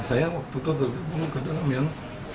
saya waktu itu bergabung ke dalam yang